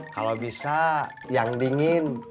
kalau bisa yang dingin